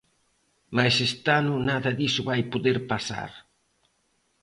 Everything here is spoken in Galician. Mais este ano nada diso vai poder pasar.